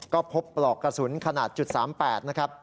ก็พบปลอกกระสุนขนาด๓๘นะครับ